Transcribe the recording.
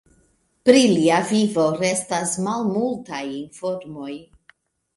Pri lia vivo restas malmultaj informoj.